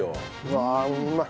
わあうまい。